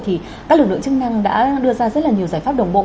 thì các lực lượng chức năng đã đưa ra rất là nhiều giải pháp đồng bộ